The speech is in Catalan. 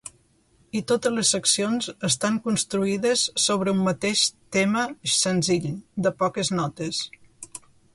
I totes les seccions estan construïdes sobre un mateix tema senzill, de poques notes.